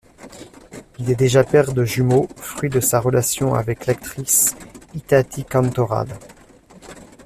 Il est déjà père de jumeaux, fruits de sa relation avec l'actrice Itatí Cantoral.